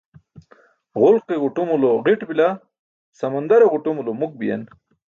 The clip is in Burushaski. Ġulke ġuṭumulo ġi̇t bila, samandare ġuṭumulo muk biyen.